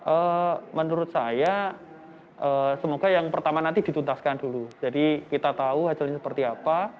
eee menurut saya semoga yang pertama nanti dituntaskan dulu jadi kita tahu hasilnya seperti apa